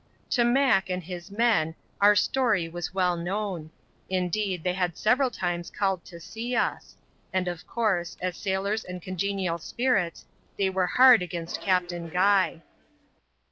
To Mack and his men our story was well ktiown; indeed^ they had several times called to see us ; and of course, as sailob and congenial spirits, they were hard against Captain Guy.